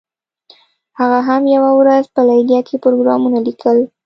هغه هم یوه ورځ په لیلیه کې پروګرامونه لیکل